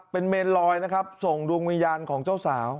เป็นเมนลอยนะครับส่งดวงวิญญาณของเจ้าสาว